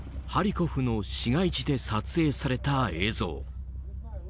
ハリコフの市街地で撮影された映像。